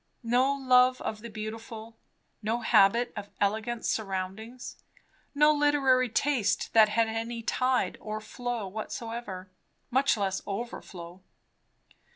No love of the beautiful; no habit of elegant surroundings; no literary taste that had any tide or flow whatsoever, much less overflow.